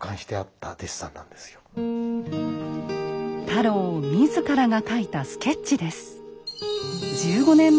太郎自らが描いたスケッチです。